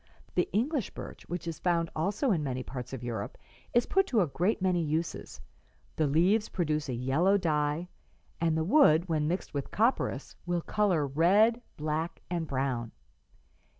The English birch, which is found also in many parts of Europe, is put to a great many uses; the leaves produce a yellow dye, and the wood, when mixed with copperas, will color red, black and brown.